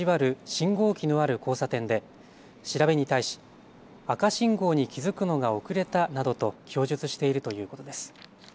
信号機のある交差点で調べに対し赤信号に気付くのが遅れたなどと供述しているということです。